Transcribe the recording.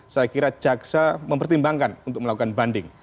saya kira jaksa mempertimbangkan untuk melakukan banding